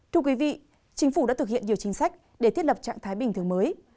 thưa quý vị chính phủ đã thực hiện nhiều chính sách để thiết lập trạng thái bình thường mới